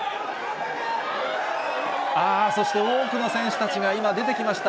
ああ、そして多くの選手たちが今、出てきました。